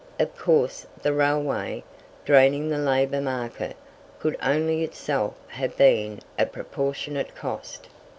Of course the railway, draining the labour market, could only itself have been at proportionate cost.